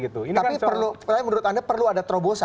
tapi menurut anda perlu ada terobosan